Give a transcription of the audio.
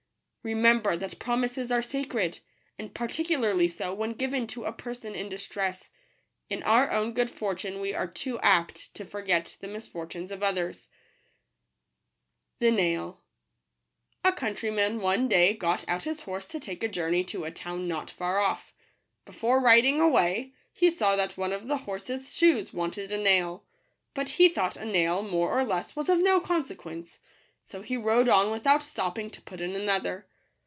Remember that promises are sacred ; and par ticularly so when given to a person in distress. In our own good fortune we are too apt to forget the misfortunes of others. tr * *r > f H* *"' w g c J P MU *.» 1 ©fje Kail* ■* COUNTRYMAN one day got jj out his horse to take a journey to | a town not far off. Before riding ^ away, he saw that one of the horse's shoes wanted a nail ; but he thought a nail more or less was of no consequence: so he rode on without stopping to put in another.